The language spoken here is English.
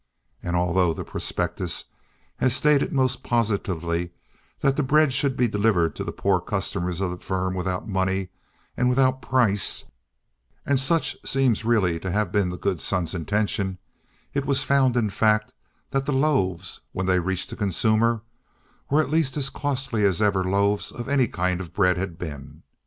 And, although the prospectus had stated most positively that the bread should be delivered to the poor customers of the firm without money and without price (and such seems really to have been the good Son's intention), it was found, in fact, that the loaves, when they reached the consumer, were at least as costly as ever loaves of any kind of bread had been.